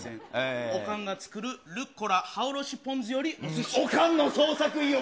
おかんが作るルッコラポンおかんの創作意欲。